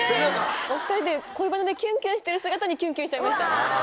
お２人で恋バナでキュンキュンしてる姿にキュンキュンしちゃいました。